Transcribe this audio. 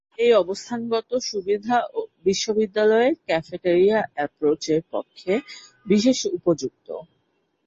এই অবস্থানগত সুবিধা বিশ্ববিদ্যালয়ের ‘ক্যাফেটেরিয়া অ্যাপ্রোচ’-এর পক্ষে বিশেষ উপযুক্ত।